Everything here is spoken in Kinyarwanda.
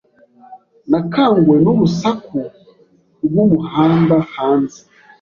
Nakanguwe n urusaku rwumuhanda hanze.